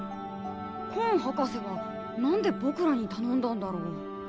コン博士が何で僕らに頼んだんだろう？